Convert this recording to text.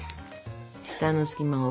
下の隙間を。